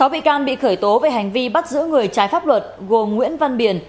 sáu bị can bị khởi tố về hành vi bắt giữ người trái pháp luật gồm nguyễn văn biển